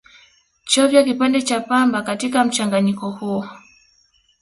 chovya kipande cha pamba katika mchanganyiko huo